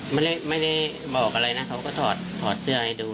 ไม่ได้บอกอะไรนะเขาก็ถอดถอดเสื้อให้ดู